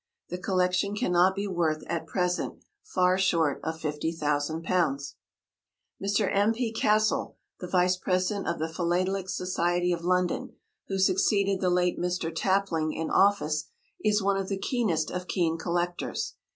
The collection cannot be worth at present far short of £50,000. Mr. M. P. Castle, the Vice President of the Philatelic Society of London, who succeeded the late Mr. Tapling in office, is one of the keenest of keen collectors.